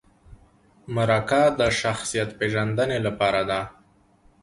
مرکه د شخصیت پیژندنې لپاره ده